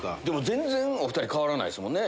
全然２人変わらないですもんね。